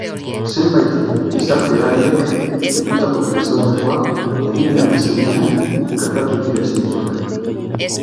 Zenbait gizarte eragilek deitutako prentsaurrekoa egiten ari zirenean gertatu dira istiluak.